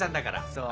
そう。